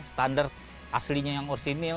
standar aslinya yang orisinal